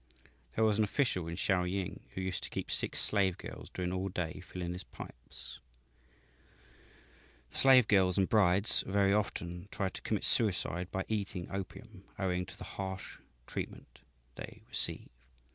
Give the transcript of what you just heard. "There was an official in Shau ying who used to keep six slave girls going all day filling his pipes. The slave girls and brides very often try to commit suicide by eating opium, owing to the harsh treatment they receive."